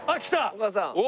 お母さん。